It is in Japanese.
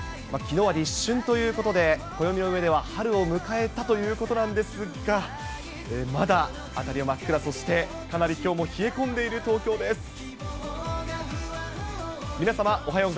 きのうは立春ということで、暦の上では春を迎えたということなんですが、まだ辺りは真っ暗、そしてかなりきょうも冷え込んでいる東京です。